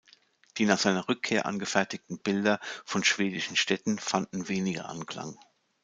Die nach seiner Rückkehr angefertigten Bilder von schwedischen Städten fanden weniger Anklang.